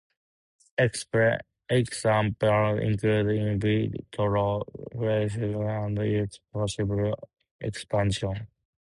Examples include "in vitro" fertilization and its possible expansions.